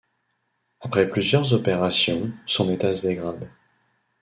Après plusieurs opérations, son état se dégrade.